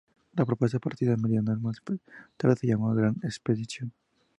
La propuesta partida meridional más tarde se llamó Grand Expedition.